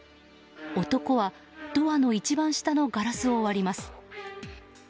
男はドアの一番下のガラスを割ります。